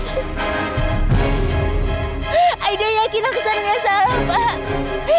aida yakin aksan gak salah pak